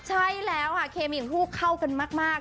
ใช่แล้วค่ะเคมีของผู้เข้ากันมาก